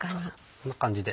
こんな感じで。